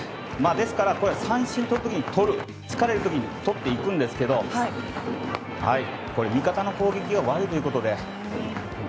ですから、三振を疲れる時にとっていくんですけどこれ、味方の攻撃が悪いということで。